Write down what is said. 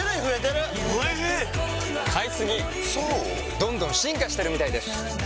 どんどん進化してるみたいです。